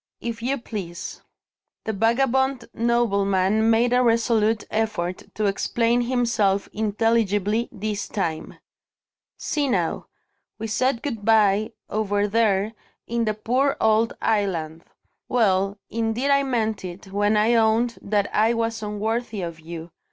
"If you please." The vagabond nobleman made a resolute effort to explain himself intelligibly, this time: "See now! We said good bye, over there, in the poor old island. Well, indeed I meant it, when I owned that I was unworthy of you.